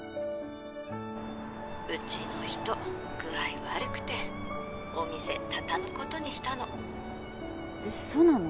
うちの人具合悪くてお店畳むことにしたのそうなの？